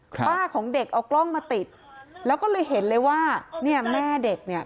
ป้าของเด็กเอากล้องมาติดแล้วก็เลยเห็นเลยว่าเนี่ยแม่เด็กเนี่ย